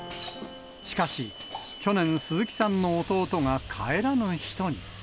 しかし、去年、鈴木さんの弟が帰らぬ人に。